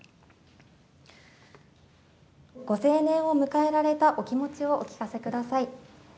ご成年を迎えられたお気持ちをお聞かせください。